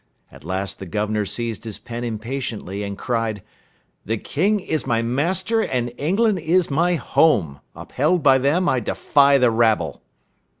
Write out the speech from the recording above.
At last the governor seized his pen impatiently, and cried, "The king is my master and England is my home. Upheld by them, I defy the rabble."